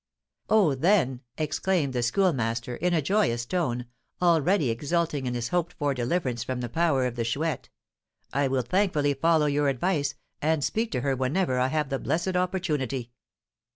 "Oh, then," exclaimed the Schoolmaster, in a joyous tone, already exulting in his hoped for deliverance from the power of the Chouette, "I will thankfully follow your advice, and speak to her whenever I have the blessed opportunity!"